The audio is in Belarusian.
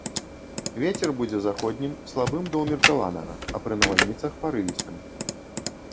Вецер будзе заходнім, слабым да ўмеркаванага, а пры навальніцах парывістым.